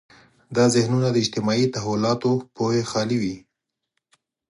دا ذهنونه د اجتماعي تحولاتو پوهې خالي وي.